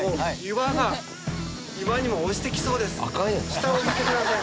下を見てください。